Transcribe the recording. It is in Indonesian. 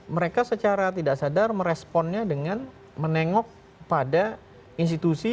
mereka secara tidak sadar meresponnya dengan menengok pada institusi